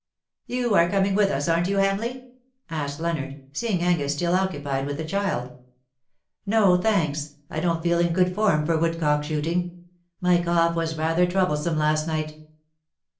" You are coming with us^ aren^t you^ Hamleigh/' asked Leonard, seeing Angus still occupied with the child. " No, thanks ; I don^t feel in good form for woodcock shooting. My cough was rather trouble some last night